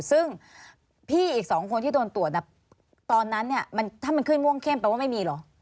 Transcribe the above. ซึ่งพี่อีก๒คนที่โดนตรวจตอนนั้นเนี่ยถ้ามันขึ้นม่วงเข้มแปลว่าไม่มีเหรอ